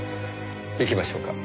行きましょうか。